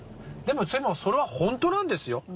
でもそれは本当なんですよ？